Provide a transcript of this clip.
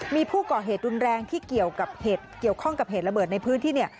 มีผู้ก่อเหตุดุนแรงที่เกี่ยวข้องกับเหตุระเบิดในพื้นที่